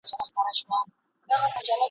قصیده نه یم مثنوي نه یم غزل نه یمه !.